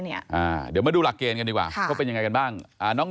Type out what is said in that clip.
เดี๋ยวมาดูหลักเกณฑ์กันดีกว่าว่าเป็นยังไงกันบ้างน้อง